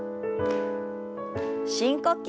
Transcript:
深呼吸。